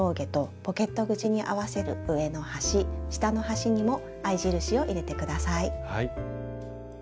ポケット口に合わせる上の端下の端にも合い印を入れて下さい。